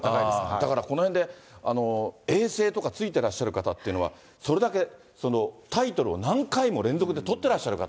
だからこのへんで永世とかついてらっしゃる方っていうのは、それだけ、タイトルを何回も連続で取ってらっしゃる方。